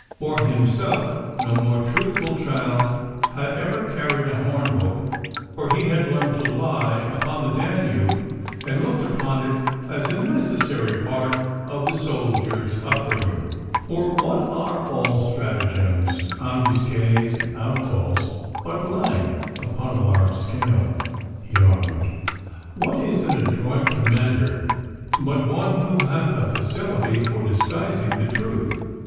For himself, no more truthful child had ever carried a horn book, but he had learned to lie upon the Danube, and looked upon it as a necessary part of the soldier's upbringing. 'For what are all stratagems, ambuscades, and outfalls but lying upon a large scale?' he argued. 'What is an adroit commander but one who hath a facility for disguising the truth?